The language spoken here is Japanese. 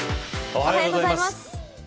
おはようございます。